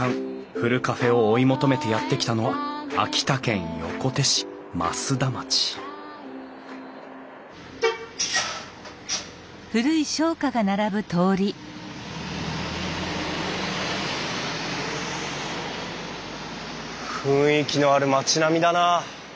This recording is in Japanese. ふるカフェを追い求めてやって来たのは秋田県横手市増田町雰囲気のある町並みだな。